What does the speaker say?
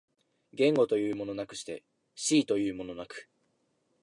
言語というものなくして思惟というものなく、